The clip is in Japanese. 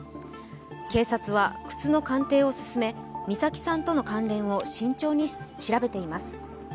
警察は靴の鑑定を進め、美咲さんとの関連を慎重に調べています。